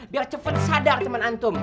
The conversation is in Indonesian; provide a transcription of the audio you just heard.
biar cepet sadar temen antum